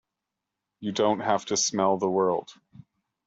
You don't have to smell the world!